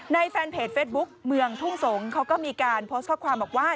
แฟนเพจเฟสบุ๊กเมืองทุ่งสงศ์เขาก็มีการโพสต์ข้อความบอกว่า